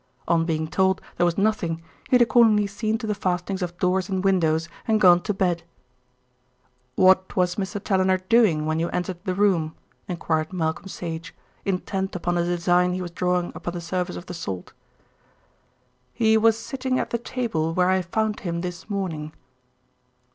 On being told there was nothing, he had accordingly seen to the fastenings of doors and windows and gone to bed. "What was Mr. Challoner doing when you entered the room?" enquired Malcolm Sage, intent upon a design he was drawing upon the surface of the salt. "He was sitting at the table where I found him this morning."